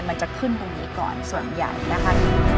มันจะขึ้นตรงนี้ก่อนส่วนใหญ่นะคะ